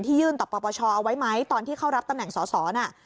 ยื่นต่อปปชเอาไว้ไหมตอนที่เข้ารับตำแหน่งสอสอน่ะ